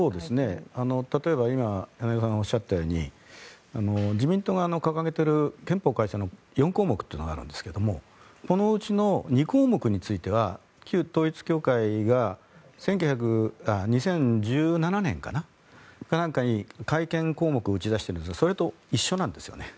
例えば柳澤さんがおっしゃったように自民党が掲げている憲法改正の４項目というのがあるんですけどこのうちの２項目については旧統一教会が２０１７年かなんかに改憲項目を打ち出しているんですそれと一緒なんですよね。